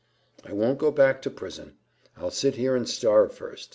"I won't go back to prison; I'll sit here and starve first.